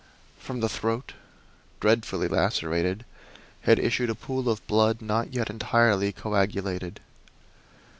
From the throat, dreadfully lacerated, had issued a pool of blood not yet entirely coagulated.